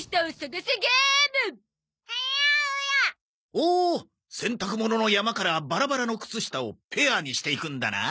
ほう洗濯物の山からバラバラの靴下をペアにしていくんだな。